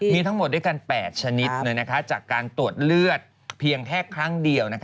มีทั้งหมดด้วยกัน๘ชนิดจากการตรวจเลือดเพียงแค่ครั้งเดียว